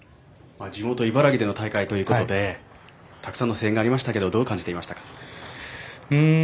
地元・茨城での大会ということでたくさんの声援がありましたけどどう感じていましたか？